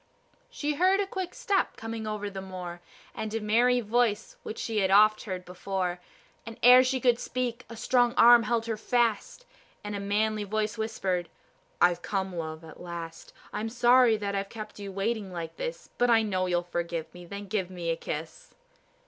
She heard a quick step coming over the moor, And a merry voice which she had oft heard before; And ere she could speak a strong arm held her fast, And a manly voice whispered, "I've come, love, at last. I'm sorry that I've kept you waiting like this, But I know you'll forgive me, then give me a kiss."